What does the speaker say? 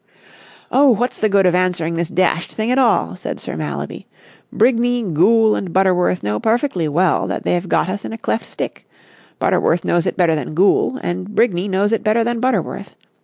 "Oh, what's the good of answering the dashed thing at all?" said Sir Mallaby. "Brigney, Goole and Butterworth know perfectly well that they've got us in a cleft stick. Butterworth knows it better than Goole, and Brigney knows it better than Butterworth.